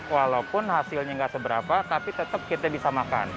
walaupun hasilnya gak seberapa tapi tetep kita bisa makan